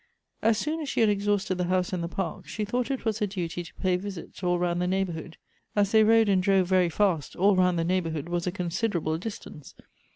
As soon as she had exhausted the house and the park, she thought it was her duty, to pay visits all round the neighborhood. As they rode and drove very fast, all round the neighborhood was a considerable distance.